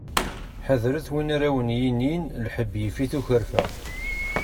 Ḥader-t win ara awen-yinin lḥeb yif-it ukerfa!